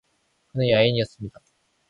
그는 야인이었습니다.